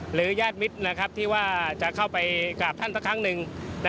หรือญาติมิตรที่จะเข้าไปกับท่านสักครั้งหนึ่ง